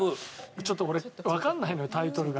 ちょっと俺わかんないのよタイトルが。